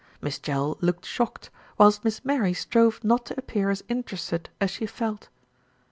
Miss Jell looked shocked, whilst Miss Mary strove not to appear as interested as she felt.